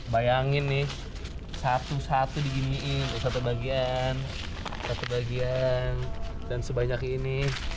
bayangin nih satu satu diginiin satu bagian satu bagian dan sebanyak ini